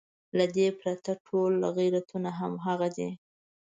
له دې پرته ټول غیرتونه همغه دي.